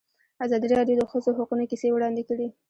ازادي راډیو د د ښځو حقونه کیسې وړاندې کړي.